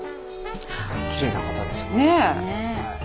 きれいな方ですよね。